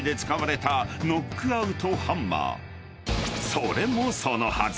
［それもそのはず］